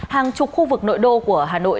hàng chục khu vực nội đô của hà nội